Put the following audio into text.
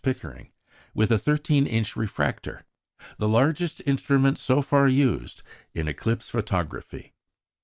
Pickering with a thirteen inch refractor the largest instrument so far used in eclipse photography.